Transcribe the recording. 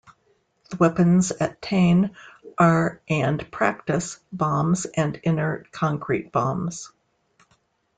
The weapons at Tain are and practice bombs and inert concrete bombs.